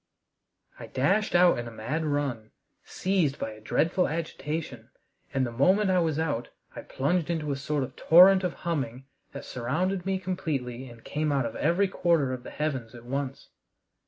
I dashed out in a mad run, seized by a dreadful agitation, and the moment I was out I plunged into a sort of torrent of humming that surrounded me completely and came out of every quarter of the heavens at once.